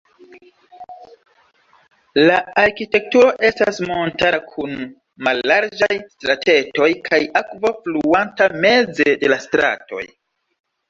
La arkitekturo estas montara kun mallarĝaj stratetoj kaj akvo fluanta meze de la stratoj.